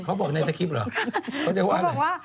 เขาบอกในคลิปเหรอเขาบอกว่า